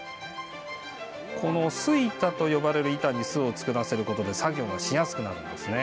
巣板と呼ばれる板に巣を作らせることで作業がしやすくなります。